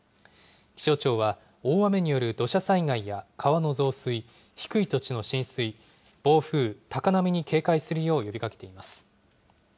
気象庁は、大雨による土砂災害や川の増水、低い土地の浸水、暴風、高波に警戒するよう呼びかけています。